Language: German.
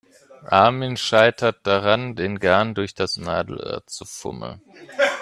Armin scheitert daran, den Garn durch das Nadelöhr zu fummeln.